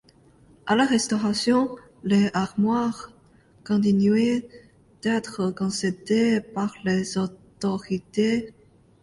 À la Restauration, les armoiries continuent d'être concédées par les autorités.